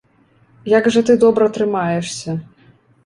Як жа ты добра трымаешся!